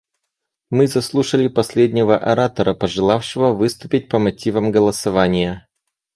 Мы заслушали последнего оратора, пожелавшего выступить по мотивам голосования.